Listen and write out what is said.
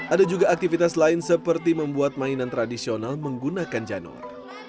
ada juga aktivitas lain seperti membuat mainan tradisional menggunakan janur